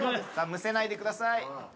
むせないでください。